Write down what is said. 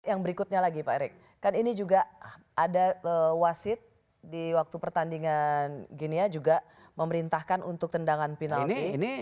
yang berikutnya lagi pak erik kan ini juga ada wasit di waktu pertandingan ginia juga memerintahkan untuk tendangan penalti